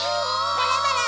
バラバラ！